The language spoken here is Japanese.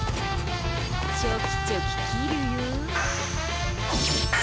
チョキチョキきるよ。